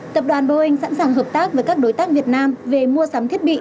tập đoàn boeing sẵn sàng hợp tác với các đối tác việt nam về mua sắm thiết bị